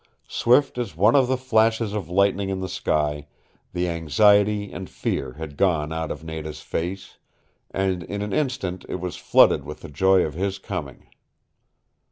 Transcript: Swift as one of the flashes of lightning in the sky the anxiety and fear had gone out of Nada's face, and in an instant it was flooded with the joy of his coming.